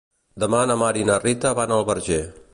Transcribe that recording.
Demà na Mar i na Rita van al Verger.